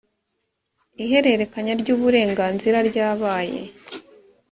ihererekanya ry‘uburenganzira ryabaye